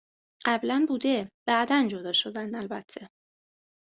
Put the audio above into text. قبلا بوده، بعداً جدا شدن، البته